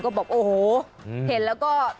ก็บอกโอ้โหเห็นแล้วก็